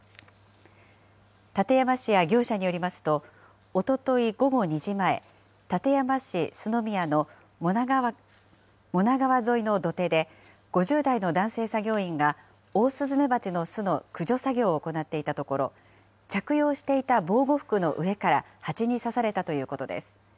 館山市や業者によりますと、おととい午後２時前、館山市洲宮の茂名川沿いの土手で、５０代の男性作業員がオオスズメバチの巣の駆除作業を行っていたところ、着用していた防護服の上から、ハチに刺されたということです。